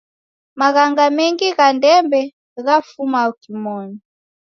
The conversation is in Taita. Maghanga mengi gha ndembe ghafuma kimonu.